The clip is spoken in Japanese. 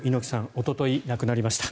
おととい亡くなりました。